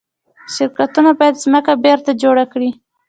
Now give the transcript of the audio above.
شرکتونه باید ځمکه بیرته جوړه کړي.